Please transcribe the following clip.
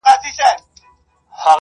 o زه به د ميني يوه در زده کړم.